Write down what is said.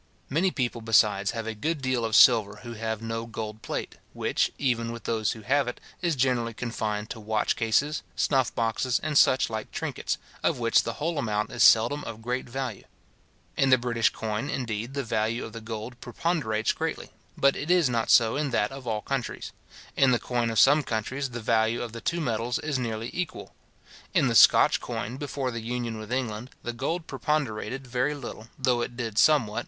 Many people, besides, have a good deal of silver who have no gold plate, which, even with those who have it, is generally confined to watch cases, snuff boxes, and such like trinkets, of which the whole amount is seldom of great value. In the British coin, indeed, the value of the gold preponderates greatly, but it is not so in that of all countries. In the coin of some countries, the value of the two metals is nearly equal. In the Scotch coin, before the union with England, the gold preponderated very little, though it did somewhat {See Ruddiman's Preface to Anderson's Diplomata, etc. Scotiae.